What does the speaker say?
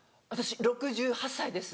６８歳です。